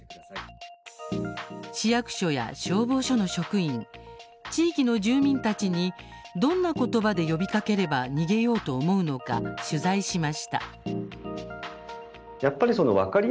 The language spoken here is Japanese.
市役所や消防署の職員地域の住民たちにどんなことばで呼びかければ逃げようと思うのか取材しました。